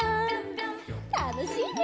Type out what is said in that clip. たのしいね。